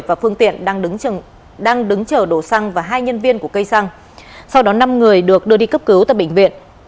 và phương tiện đang đứng chở đồ xăng và hai nhân viên của cây xăng sau đó năm người được đưa đi cấp cứu tại bệnh viện